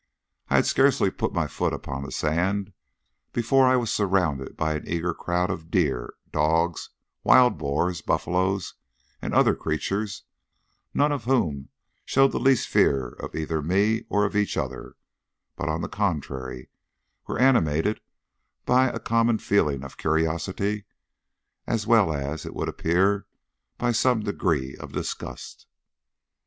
I had scarce put my foot upon the sand before I was surrounded by an eager crowd of deer, dogs, wild boars, buffaloes, and other creatures, none of whom showed the least fear either of me or of each other, but, on the contrary, were animated by a common feeling of curiosity, as well as, it would appear, by some degree of disgust."